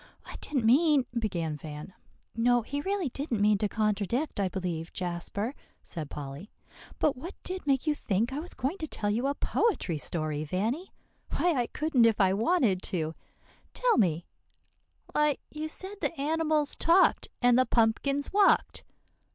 "I didn't mean," began Van. "No, he really didn't mean to contradict, I believe, Jasper," said Polly. "But what did make you think I was going to tell you a poetry story, Vanny? Why I couldn't if I wanted to. Tell me" "Why, you said the animals talked, and the pumpkins walked."